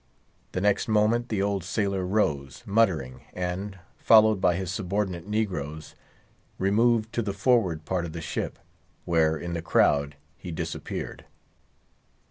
The next moment the old sailor rose, muttering, and, followed by his subordinate negroes, removed to the forward part of the ship, where in the crowd he disappeared.